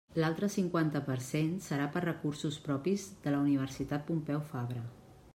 L'altre cinquanta per cent serà per recursos propis de la Universitat Pompeu Fabra.